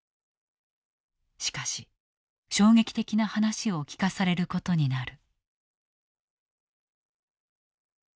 しかし衝撃的な話を聞かされることになる。